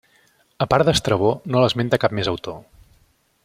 A part d'Estrabó no l'esmenta cap més autor.